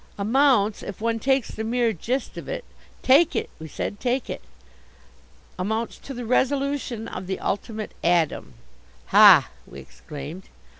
"Amounts, if one takes the mere gist of it " "Take it," we said, "take it." "Amounts to the resolution of the ultimate atom." "Ha!" we exclaimed.